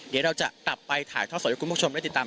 เดี๋ยวเราจะกลับไปถ่ายท่อสดให้คุณผู้ชมได้ติดตาม